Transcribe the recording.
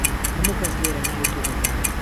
هەموو کەس لێرە ناوی تۆ دەزانێت.